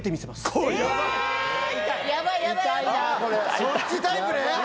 そっちタイプね！